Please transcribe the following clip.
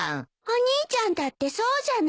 お兄ちゃんだってそうじゃない。